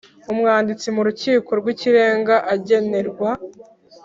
Umwanditsi mu Rukiko rw Ikirenga agenerwa